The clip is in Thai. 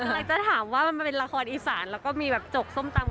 อะไรจะถามว่ามันเป็นละครอีสานแล้วก็มีแบบจกส้มตำ